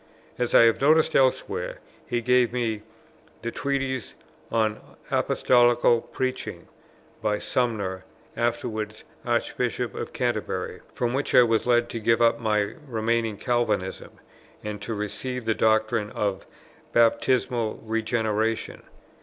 As I have noticed elsewhere, he gave me the "Treatise on Apostolical Preaching," by Sumner, afterwards Archbishop of Canterbury, from which I was led to give up my remaining Calvinism, and to receive the doctrine of Baptismal Regeneration.